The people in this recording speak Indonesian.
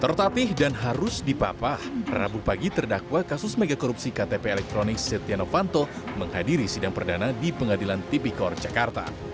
tertatih dan harus dipapah rabu pagi terdakwa kasus megakorupsi ktp elektronik setia novanto menghadiri sidang perdana di pengadilan tipikor jakarta